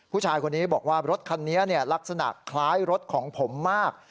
ผู้ชายคนนี้บอกว่ารถคันนี้ลักษณะคล้ายรถของผมมาก